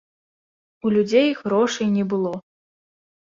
У людзей грошай не было.